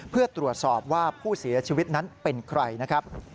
เพื่อตรวจสอบว่าผู้เสียชีวิตนั้นเป็นใครนะครับ